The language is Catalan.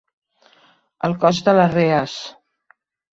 El cos de les rees.